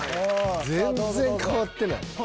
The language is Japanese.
全然変わってない。